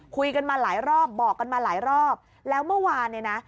คุยกันมาหลายรอบบอกกันมาหลายรอบแล้วเมื่อวานเนี่ยนะ